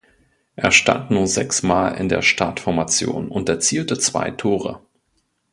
Er stand nur sechsmal in der Startformation und erzielte zwei Tore.